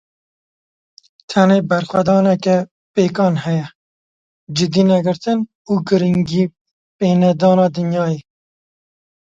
Tenê berxwedaneke pêkan heye; cidînegirtin û giringîpênedana dinyayê.